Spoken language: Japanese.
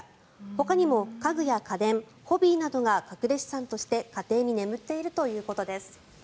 ほかにも家具や家電、ホビーなどが隠れ資産として、家庭に眠っているということです。